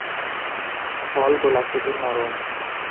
ফল গোলাকৃতির নরম।